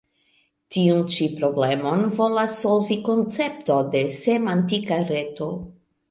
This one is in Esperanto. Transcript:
Tiun ĉi problemon volas solvi koncepto de Semantika Reto.